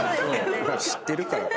知ってるからか。